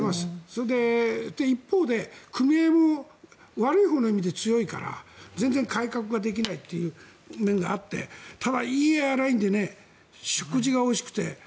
それで、一方で組合も悪いほうの意味で強いから全然改革ができないという面があってただ、いいエアラインで食事がおいしくて。